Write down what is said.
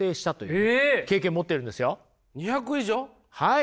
はい。